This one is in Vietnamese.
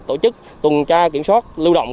tổ chức tuần tra kiểm soát lưu động